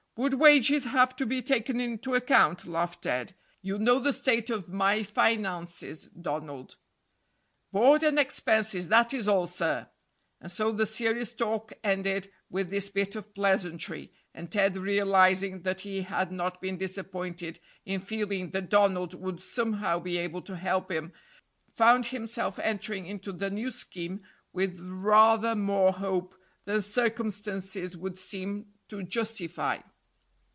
"Would wages have to be taken into account?" laughed Ted; "you know the state of my finances, Donald." "Board and expenses that is all, sir," and so the serious talk ended with this bit of pleasantry; and Ted realizing that he had not been disappointed in feeling that Donald would somehow be able to help him, found himself entering into the new scheme with rather more hope than circumstances would seem to justify.